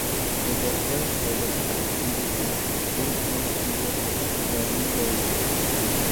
Paydarpay-paydarpay kiymishlarini o‘ng-o‘ng kiydirdi. Iplarini boyladi.